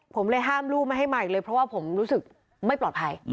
ผมเลยห้ามรูปมาให้มาเลยเพราะผมรู้สึกไม่ปลอดภัย